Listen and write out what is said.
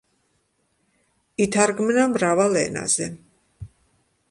ითარგმნა მრავალ ენაზე.